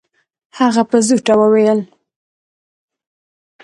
هغې په زوټه وويل.